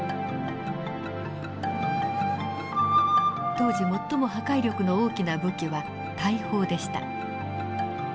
当時最も破壊力の大きな武器は大砲でした。